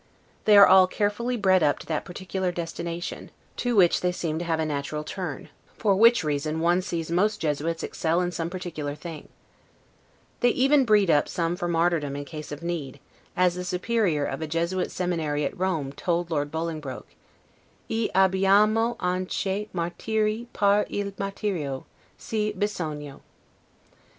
They are all carefully bred up to that particular destination, to which they seem to have a natural turn; for which reason one sees most Jesuits excel in some particular thing. They even breed up some for martyrdom in case of need; as the superior of a Jesuit seminary at Rome told Lord Bolingbroke. 'E abbiamo anche martiri per il martirio, se bisogna'.